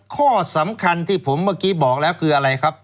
ข้อสำคัญที่ผมเมื่อกี้บอกแล้วคืออะไรครับ